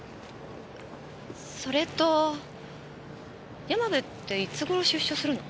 それと山部っていつ頃出所するの？